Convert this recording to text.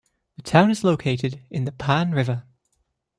The town is located in the Pan River.